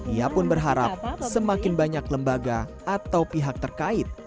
ia pun berharap semakin banyak lembaga atau pihak terkait